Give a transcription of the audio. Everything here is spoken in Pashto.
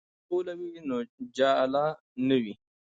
که سوله وي نو جاله نه وي.